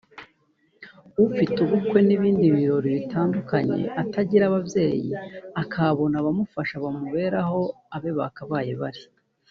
ufite ubukwe n’ibindi birori bitandukanye atagira ababyeyi akahabona abamufasha bamubera aho abe bakabaye bari